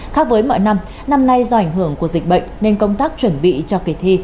khác với mọi năm năm nay do ảnh hưởng của dịch bệnh nên công tác chuẩn bị cho kỳ thi